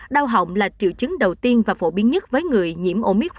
đau hỏng là triệu chứng đầu tiên và phổ biến nhất với người